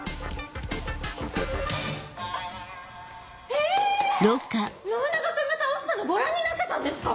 えっ⁉信長君が倒したのご覧になってたんですか？